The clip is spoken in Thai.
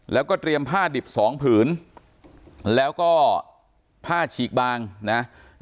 แล้วก็เตรียมผ้าดิบสองผืนแล้วก็ผ้าฉีกบางนะ